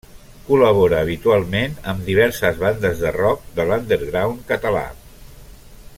Col·labora habitualment amb diverses bandes de rock de l'underground català.